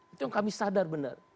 itu yang kami sadar benar